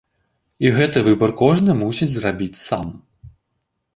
І гэты выбар кожны мусіць зрабіць сам.